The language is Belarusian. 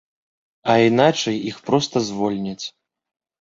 А іначай іх проста звольняць.